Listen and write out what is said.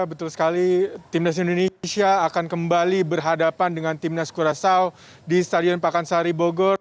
betul sekali timnas indonesia akan kembali berhadapan dengan timnas kurasaw di stadion pakansari bogor